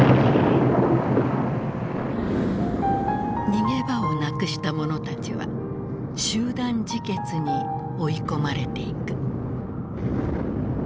逃げ場をなくした者たちは集団自決に追い込まれていく。